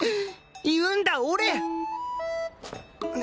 言うんだ俺！ね